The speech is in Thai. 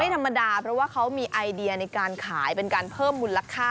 ธรรมดาเพราะว่าเขามีไอเดียในการขายเป็นการเพิ่มมูลค่า